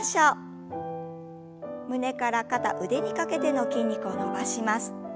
胸から肩腕にかけての筋肉を伸ばします。